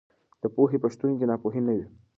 د پوهې په شتون کې ناپوهي نه وي.